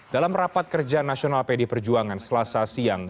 dalam rapat kerja nasional pd perjuangan selasa siang